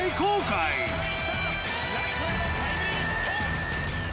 ライトへのタイムリーヒット！